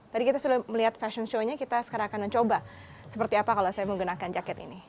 tadi kita sudah melihat fashion show nya kita sekarang akan mencoba seperti apa kalau saya menggunakan jaket ini